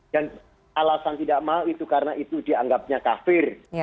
dan alasan tidak mau itu karena itu dianggapnya kafir